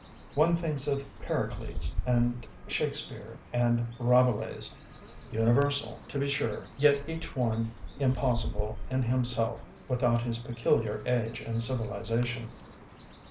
One thinks of Pericles, and Shakespeare, and Ra belais— universal, to be sure, yet each one impossible in himself without his peculiar age and civilization.